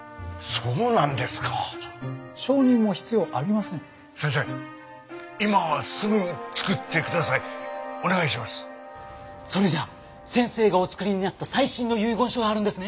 それじゃあ先生がお作りになった最新の遺言書があるんですね？